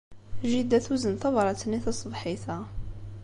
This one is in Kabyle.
Jida tuzen tabṛat-nni taṣebḥit-a.